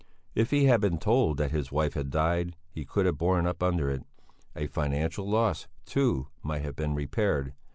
If he had been told that his wife had died, he could have borne up under it; a financial loss, too, might have been repaired.